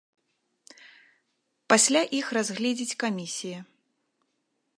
Пасля іх разгледзіць камісія.